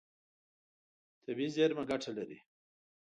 طبیعي زیرمه ګټه لري.